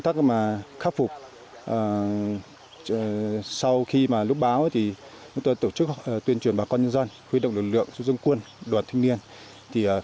tại xã kim nội